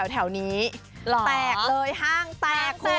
แถวนี้แตกเลย